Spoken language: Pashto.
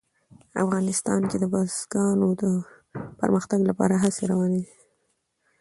افغانستان کې د بزګانو د پرمختګ لپاره هڅې روانې دي.